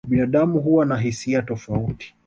Binadamu huwa na hisia tofauti.